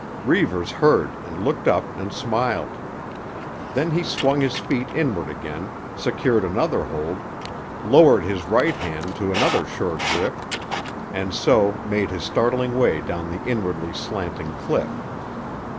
Reivers heard and looked up and smiled. Then he swung his feet inward again, secured another hold, lowered his right hand to another sure grip, and so made his startling way down the inwardly slanting cliff.